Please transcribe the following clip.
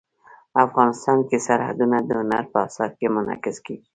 افغانستان کې سرحدونه د هنر په اثار کې منعکس کېږي.